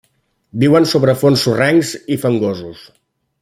Viuen sobre fons sorrencs i fangosos.